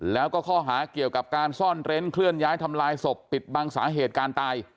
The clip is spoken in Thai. แล้วก็ข้อหาเกี่ยวกับการซ่อนเร้นเคลื่อนย้ายทำลายศพปิดบังสาเหตุการตาย